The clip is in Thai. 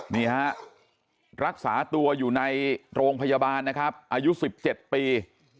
นี่ฮะรักษาตัวอยู่ในโรงพยาบาลนะครับอายุ๑๗ปี